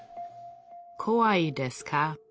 こわいですか？